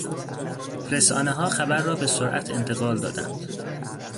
رسانهها خبر را به سرعت انتقال دادند.